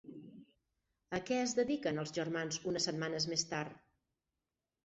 A què es dediquen els germans unes setmanes més tard?